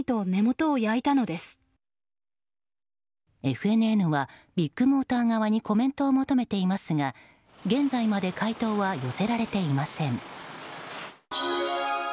ＦＮＮはビッグモーター側にコメントを求めていますが現在まで回答は寄せられていません。